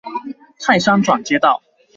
泰山轉接道